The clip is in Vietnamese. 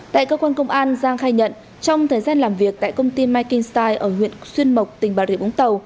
tại cơ quan công an giang khai nhận trong thời gian làm việc tại công ty making style ở huyện xuyên mộc tỉnh bà rịa vũng tàu